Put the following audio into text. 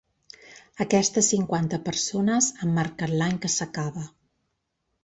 Aquestes cinquanta persones han marcat l’any que s’acaba.